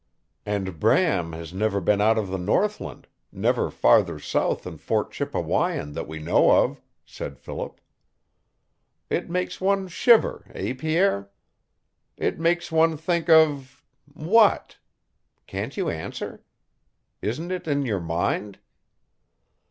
"And Bram has never been out of the northland, never farther south than Fort Chippewyan that we know of," said Philip. "It makes one shiver, eh, Pierre? It makes one think of WHAT? Can't you answer? Isn't it in your mind?"